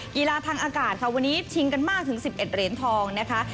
กีฬาทางอากาศค่ะวันนี้ชิงกันมากถึง๑๑เหรียญทองนะคะ